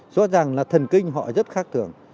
rõ ràng là thần kinh họ rất khác thường